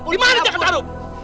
di mana dia ketarung